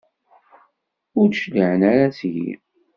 Ur d-cliɛen ara seg-i?